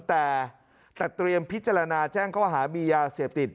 แต่เตรียมพิจารณาแจ้งข้อหามียาเสพติด